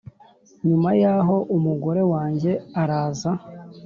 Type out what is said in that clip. Nyuma yaho umugore wanjye araza